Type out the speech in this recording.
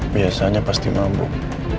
biasanya pasti mabuk